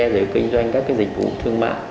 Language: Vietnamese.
để kinh doanh các cái dịch vụ thương mạng